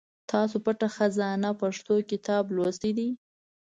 تاسو پټه خزانه پښتو کتاب لوستی دی ؟